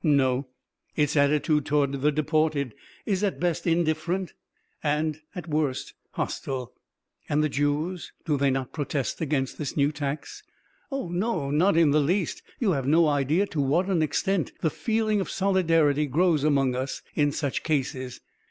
"No, its attitude toward the deported is at best indifferent, and at worst hostile." "And the Jews, do they not protest against this new tax?" "Oh, no, not in the least. You have no idea to what an extent the feeling of solidarity grows among us in such cases.